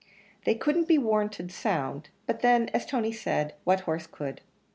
They couldn't be warranted sound: but then, as Tony said, what horse could?